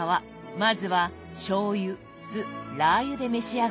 まずはしょうゆ酢ラー油で召し上がってみて下さい。